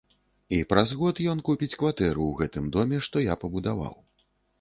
І праз год ён купіць кватэру ў гэтым доме, што я пабудаваў.